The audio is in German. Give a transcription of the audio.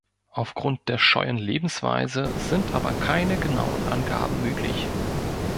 Aufgrund der scheuen Lebensweise sind aber keine genauen Angaben möglich.